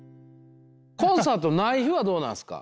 コンサートない日はどうなんすか？